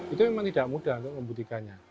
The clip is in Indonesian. itu memang tidak mudah untuk membuktikannya